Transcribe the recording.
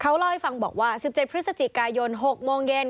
เขาเล่าให้ฟังบอกว่า๑๗พฤศจิกายน๖โมงเย็น